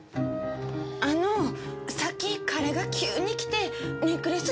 あのさっき彼が急に来てネックレス